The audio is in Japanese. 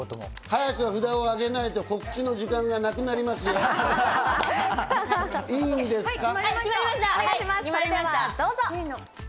早く札を上げないと、告知の時間がなくなりますよ、いいんですか？